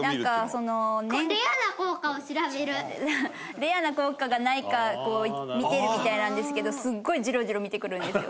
レアな硬貨がないか見てるみたいなんですけどすごいジロジロ見てくるんですよ。